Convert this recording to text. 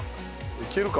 いけるか？